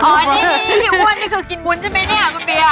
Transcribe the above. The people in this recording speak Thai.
อ๋ออันนี้นี่ที่อ้วนนี่คือกินวุ้นใช่มั้ยเนี่ยคุณพี่